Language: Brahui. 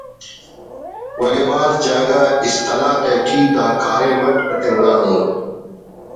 ولے بھاز جاگہ اصطلاح تیٹی دا کاریم اٹ اتنگانے